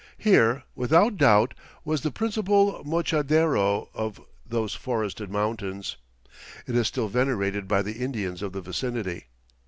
Here, without doubt, was "the principal mochadero of those forested mountains." It is still venerated by the Indians of the vicinity.